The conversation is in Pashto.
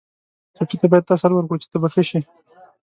ټپي ته باید تسل ورکړو چې ته به ښه شې.